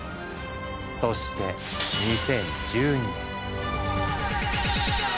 そして２０１２年。